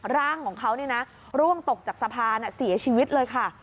ร่างของเขาร่วงตกจากสะพานเสียชีวิตเลยค่ะ